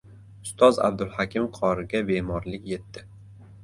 Ustoz Abdulhakim qoriga bemorlik yetdi